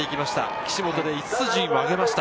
岸本で５つ順位を上げました。